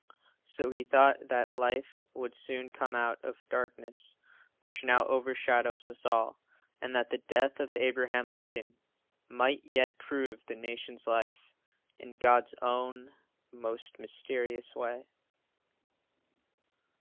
So he thought that life would soon come out of darkness, which now overshadows us all, and that the death of Abraham Lincoln might yet prove the nation's life in God's own most mysterious way.